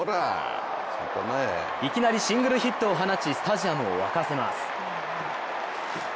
いきなりシングルヒットを放ちスタジアムを沸かせます。